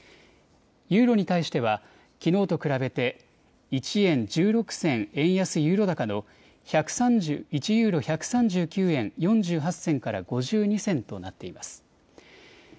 ユーロに対してはきのうと比べて１円１６銭円安ユーロ高の１ユーロ１３９円４８銭から５２銭となっています。